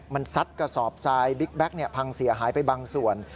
มันซัดกระสอบทรายบิ๊กแก๊กพังเสียหายไปบางส่วน